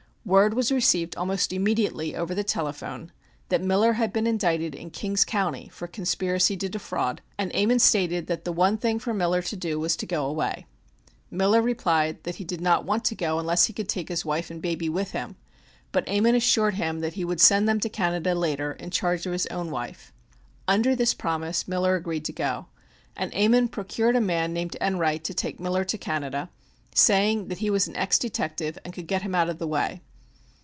Word was received almost immediately over the telephone that Miller had been indicted in Kings County for conspiracy to defraud, and Ammon stated that the one thing for Miller to do was to go away. Miller replied that he did not want to go unless he could take his wife and baby with him, but Ammon assured him that he would send them to Canada later in charge of his own wife. Under this promise Miller agreed to go, and Ammon procured a man named Enright to take Miller to Canada, saying that "he was an ex detective and could get him out of the way."